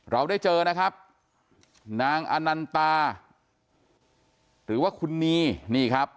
เราได้เจอนะครับนางอนันตาหรือว่าคุณนีนี่ครับ